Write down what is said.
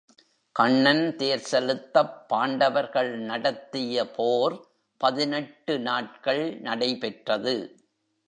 கண்ணன் தேர்செலுத்தப் பாண்டவர்கள் நடத்திய போர் பதினெட்டு நாட்கள் நடைபெற்றது.